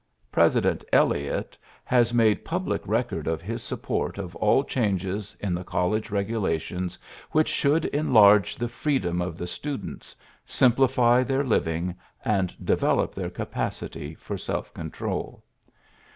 President Eliot has made public record of his support of all changes in the college regulations which should enlarge the freedom of the stu dents, simplify their living, and develop their capacity for self control.